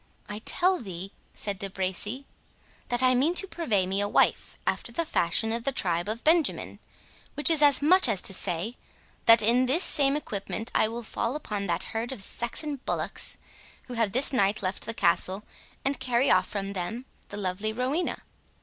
"I tell thee," said De Bracy, "that I mean to purvey me a wife after the fashion of the tribe of Benjamin; which is as much as to say, that in this same equipment I will fall upon that herd of Saxon bullocks, who have this night left the castle, and carry off from them the lovely Rowena."